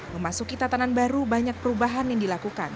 memasuki tatanan baru banyak perubahan yang dilakukan